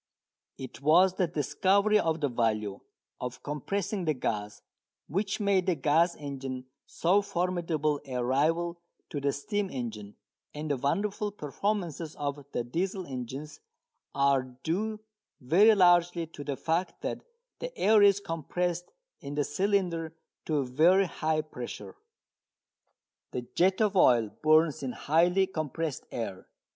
It was the discovery of the value of compressing the gas which made the gas engine so formidable a rival to the steam engine, and the wonderful performances of the Diesel engines are due very largely to the fact that the air is compressed in the cylinder to a very high pressure. The jet of oil burns in highly compressed air.